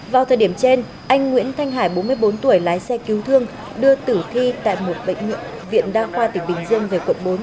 vào thời điểm trên anh nguyễn thanh hải bốn mươi bốn tuổi lái xe cứu thương đưa tử thi tại một bệnh viện đa khoa tỉnh bình dương về quận bốn